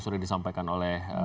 sudah disampaikan oleh